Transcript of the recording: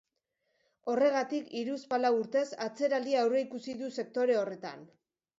Horregatik, hiruzpalau urtez, atzeraldia aurreikusi du sektore horretan.